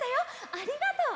ありがとう！